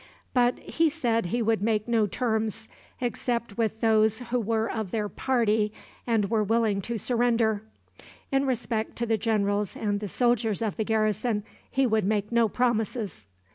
But he said he would make no terms except with those who were of their party and were willing to surrender. In respect to the generals and the soldiers of the garrison he would make no promises.